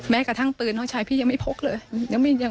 กระทั่งปืนน้องชายพี่ยังไม่พกเลย